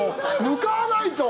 向かわないと。